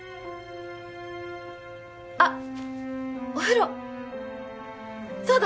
あっお風呂そうだ！